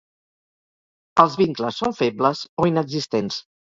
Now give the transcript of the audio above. Els vincles són febles o inexistents.